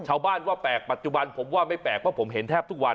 ชาวบ้านว่าแปลกปัจจุบันผมว่าไม่แปลกเพราะผมเห็นแทบทุกวัน